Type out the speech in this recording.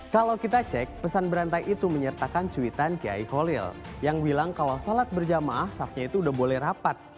kalau kita cek pesan berantai itu menyertakan cuitan kiai kholil yang bilang kalau sholat berjamaah safnya itu udah boleh rapat